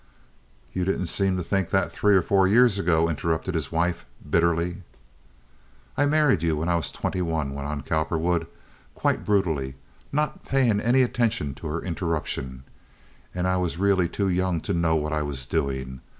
"You didn't seem to think that three or four years ago," interrupted his wife, bitterly. "I married you when I was twenty one," went on Cowperwood, quite brutally, not paying any attention to her interruption, "and I was really too young to know what I was doing.